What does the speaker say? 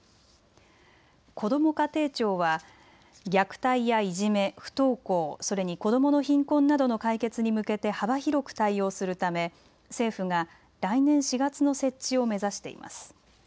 こども家庭庁は虐待やいじめ、不登校、それに子どもの貧困などの解決に向けて幅広く対応するため政府が来年４月の設置を目指しています。